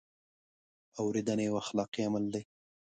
اورېدنه یو اخلاقي عمل دی.